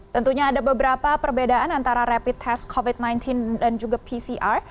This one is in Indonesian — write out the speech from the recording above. tentunya ada beberapa perbedaan antara rapid test covid sembilan belas dan juga pcr